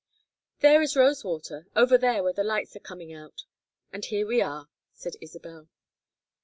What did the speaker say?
"There is Rosewater over there where the lights are coming out; and here we are," said Isabel.